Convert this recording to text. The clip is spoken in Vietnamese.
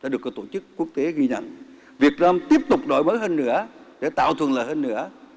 được các tổ chức quốc tế ghi nhận việt nam tiếp tục đổi mới hơn nữa để tạo thuận lợi hơn nữa